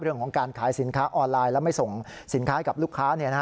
เรื่องของการขายสินค้าออนไลน์และไม่ส่งสินค้าให้กับลูกค้า